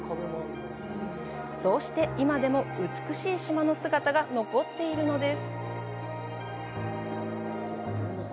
そうして、今でも美しい島の姿が残っているのです。